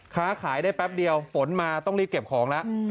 ค้าขายได้แป๊บเดียวฝนมาต้องรีบเก็บของแล้ว